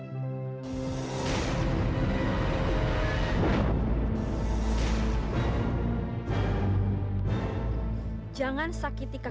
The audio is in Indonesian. kakang mencintai dia kakang